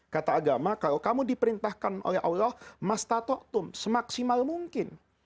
kata agama kalau kamu diperintahkan oleh allah mas tatom semaksimal mungkin